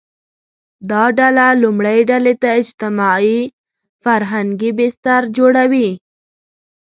دا ډله لومړۍ ډلې ته اجتماعي – فرهنګي بستر جوړوي